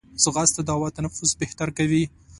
ځغاسته د هوا تنفس بهتر کوي